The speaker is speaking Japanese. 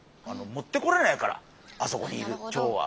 持ってこれないからあそこにいるチョウは。